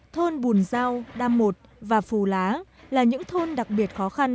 thôn bùn giao đam một và phù lá là những thôn đặc biệt khó khăn